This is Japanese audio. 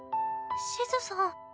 シズさん